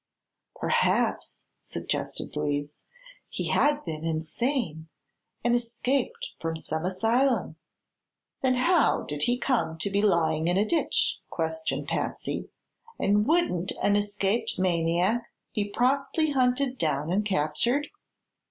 "Perhaps," suggested Louise, "he had been insane and escaped from some asylum." "Then how did he come to be lying in a ditch?" questioned Patsy; "and wouldn't an escaped maniac be promptly hunted down and captured?"